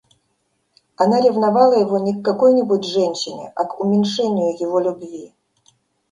Она ревновала его не к какой-нибудь женщине, а к уменьшению его любви.